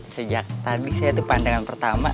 sejak tadi saya pandangan pertama